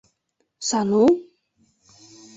Сану?..